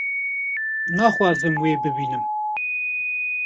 naxwazim wê bibînim